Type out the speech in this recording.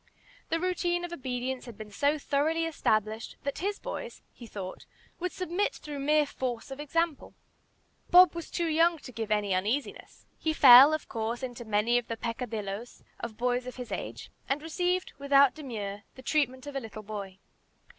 The routine of obedience had been so thoroughly established, that his boys, he thought, would submit through mere force of example. Bob was too young to give any uneasiness. He fell, of course, into many of the peccadilloes of boys of his age, and received, without demur, the treatment of a little boy.